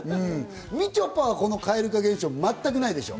みちょぱはこの蛙化現象、まったくないでしょう？